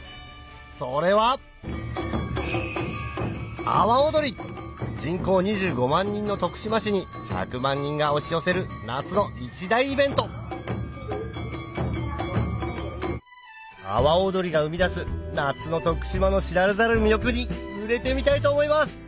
それは人口２５万人の徳島市に１００万人が押し寄せる夏の一大イベント阿波おどりが生み出す夏の徳島の知られざる魅力に触れてみたいと思います